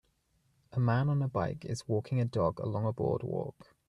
A man on a bike is walking a dog along a boardwalk.